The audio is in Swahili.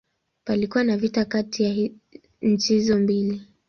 Palikuwa na vita kati ya nchi hizo mbili.